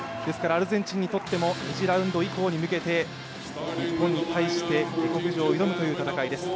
アルゼンチンにとっても２次ラウンド以降に向けて日本に対して、下克上を挑むという戦いです。